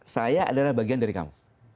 saya adalah bagian dari kamu